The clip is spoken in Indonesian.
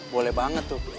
boleh banget tuh